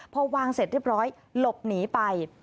พอวางเสร็จเรียบร้อยหลบหนีไป